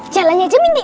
jalannya aja mindi